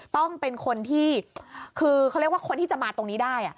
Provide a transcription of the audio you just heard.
ต้องเป็นคนที่คือเขาเรียกว่าคนที่จะมาตรงนี้ได้